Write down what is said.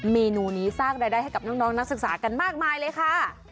เมนูนี้สร้างรายได้ให้กับน้องนักศึกษากันมากมายเลยค่ะ